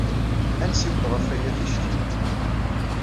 Ad nessiwel ɣef waya ticki.